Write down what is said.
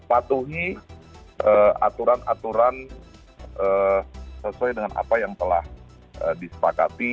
patuhi aturan aturan sesuai dengan apa yang telah disepakati